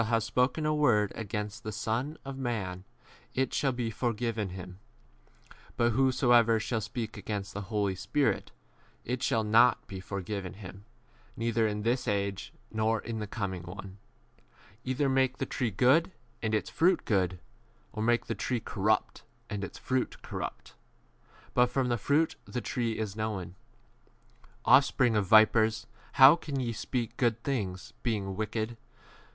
ISyyovs is objective, hav have spoken a word against the Son of man, it shall be forgiven him; but whosoever shall speak against the Holy Spirit, it shall not be forgiven him, neither in this age nor in the coming [one]. 33 Either make the tree good, and its fruit good; or make the tree corrupt, and its fruit corrupt. For from the fruit the tree is 34 known. Offspring of vipers 1 how can ye speak good things, being wicked